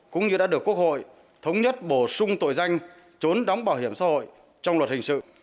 cũng như đã được quốc hội thống nhất bổ sung tội danh trốn đóng bảo hiểm xã hội trong luật hình sự